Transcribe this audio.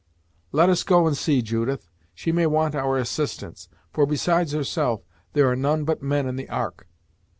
"Let us go and see, Judith; she may want our assistance for, besides herself, there are none but men in the ark."